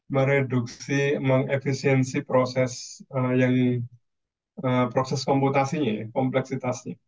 mereduksi efisiensi proses komputasinya kompleksitasnya